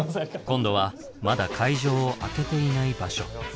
今度はまだ会場を開けていない場所。